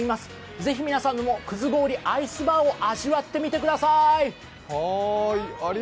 ぜひ皆さんも、葛ごおりアイスバーを味わってみてくださーい。